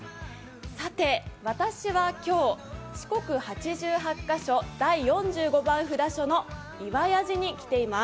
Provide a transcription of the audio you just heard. さて私は今日、四国八十八箇所第４５番札所の岩屋寺に来ています。